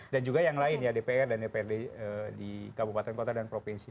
dan juga yang lain ya dpr dan dprd di kabupaten kota dan provinsi